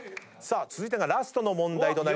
続いてがラストの問題となります